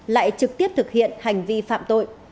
lại trực tiếp thực hiện hành vi phá hủy